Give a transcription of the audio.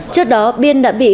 trước đó biên đã bị